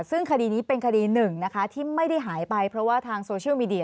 ซึ่งคดีนี้เป็นคดีหนึ่งนะคะที่ไม่ได้หายไปเพราะว่าทางโซเชียลมีเดีย